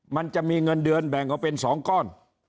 มันจะมีเงินเดือนแบ่งออกเป็น๒ก้อน